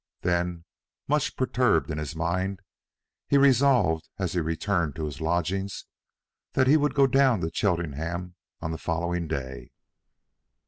Then, much perturbed in his mind, he resolved, as he returned to his lodgings, that he would go down to Cheltenham on the following day.